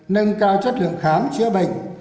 nâng cao chất lượng khám chữa bệnh